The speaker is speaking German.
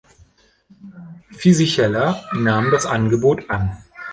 Fisichella nahm das Angebot an.